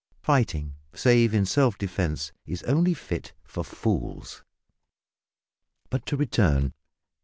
Fighting, save in self defence, is only fit for fools. But to return.